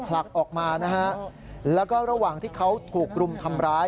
แล้วก็ระหว่างที่เขาถูกกลุ่มทำร้าย